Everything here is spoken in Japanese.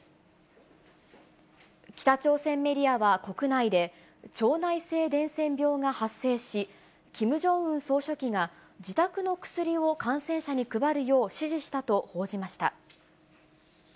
北朝鮮メディアは国内で、腸内性伝染病が発生し、キム・ジョンウン総書記が自宅の薬を感染者に配るよう指示したと報じました。